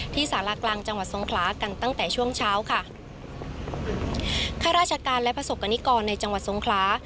สารากลางจังหวัดทรงคลากันตั้งแต่ช่วงเช้าค่ะข้าราชการและประสบกรณิกรในจังหวัดทรงคลา